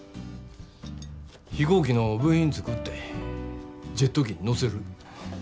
飛行機の部品作ってジェット機に載せる。